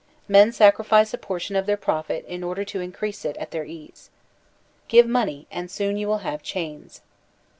Men sacrifice a portion of their profit in order to increase it at their ease. Give money and soon you will have chains.